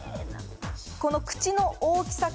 この口の大きさから。